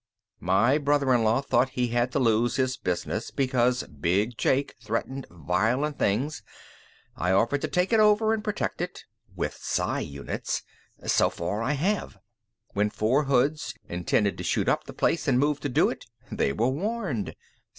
My brother in law thought he had to lose his business because Big Jake threatened violent things. I offered to take it over and protect it with psi units. So far, I have. When four hoods intended to shoot up the place and moved to do it, they were warned.